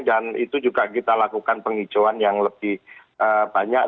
dan itu juga kita lakukan penghijauan yang lebih banyak